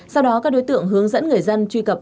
sau đó các đối tượng hướng dẫn người dân truy cập